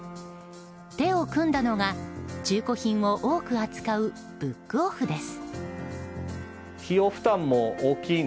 手を組んだのが中古品を多く扱うブックオフです。